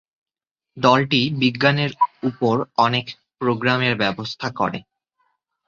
দলটি বিজ্ঞানের উপর অনেক প্রোগ্রামের ব্যবস্থা করে।